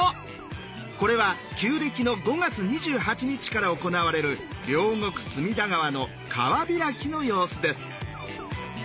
これは旧暦の５月２８日から行われる両国隅田川の川開きの様子です。